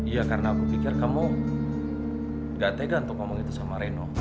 iya karena aku pikir kamu gak tega untuk ngomong itu sama reno